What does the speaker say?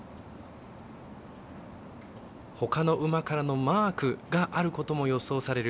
ほかの馬からのマークがあることも予想される